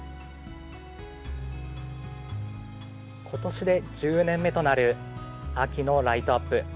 ことしで１０年目となる秋のライトアップ。